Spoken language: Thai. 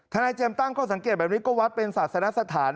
นายเจมส์ตั้งข้อสังเกตแบบนี้ก็วัดเป็นศาสนสถาน